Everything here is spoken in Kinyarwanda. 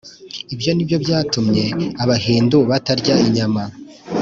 ibyo ni byo byatumye abahindu batarya inyama